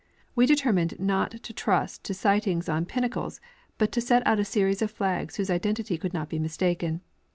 We determined not to trust to sighting on pinnacles, but to set out a series of flags whose identity could not be mistaken.